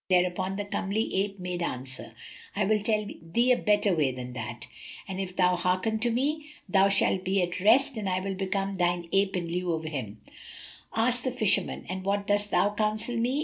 Thereupon the comely ape made answer, "I will tell thee a better way than that, and if thou hearken to me, thou shalt be at rest and I will become thine ape in lieu of him." Asked the Fisherman, "And what dost thou counsel me?"